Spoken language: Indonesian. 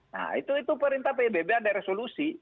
nah itu perintah pbb ada resolusi